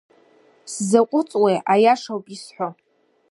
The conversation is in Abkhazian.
Сзаҟәыҵуеи, аиаша ауп исҳәо.